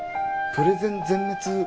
プレゼン全滅